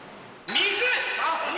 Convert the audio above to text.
水？